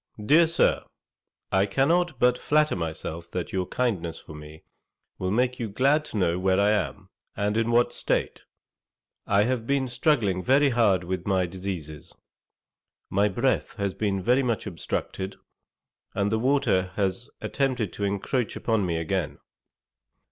'DEAR SIR, 'I cannot but flatter myself that your kindness for me will make you glad to know where I am, and in what state. 'I have been struggling very hard with my diseases. My breath has been very much obstructed, and the water has attempted to encroach upon me again.